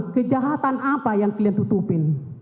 kejahatan apa yang kalian tutupin